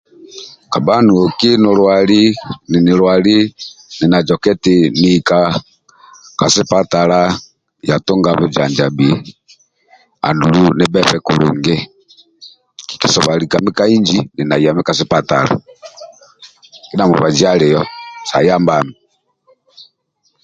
Kabha noki nolwali nini lwali nina joka eti nihi ka sipatala yatunga bhujanjabhi andulu nibhebe kulungi kikisobola likami ka inji nili nayami ka sipatala kindia mubaji alio sa yambami